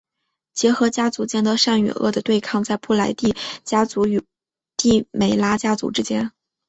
结合家族间的善与恶的对抗在布莱帝家族与帝梅拉家族之间。